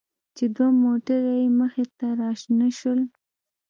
چې دوه موټره يې مخې ته راشنه شول.